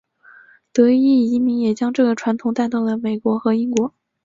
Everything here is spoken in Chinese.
德裔移民也将这个传统带到了英国和美国。